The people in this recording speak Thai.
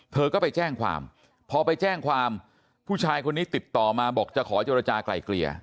เธอก็ไปแจ้งความพอไปแจ้งความผู้ชายคนนี้ติดต่อมาบอกจะขอเจรจากลายเกลี่ย